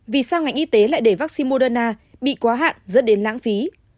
vì sao ngành y tế lại để vaccine moderna bị quá hạn dẫn đến lãng phí